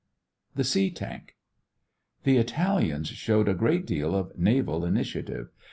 THE SEA TANK The Italians showed a great deal of naval initiative.